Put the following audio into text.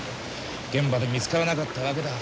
現場で見つからなかったわけだ。